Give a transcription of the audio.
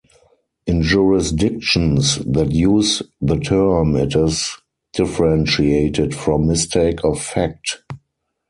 In jurisdictions that use the term, it is differentiated from mistake of fact.